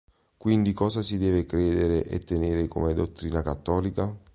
Quindi cosa si deve credere e tenere come dottrina cattolica?